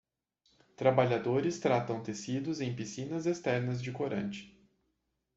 Trabalhadores tratam tecidos em piscinas externas de corante.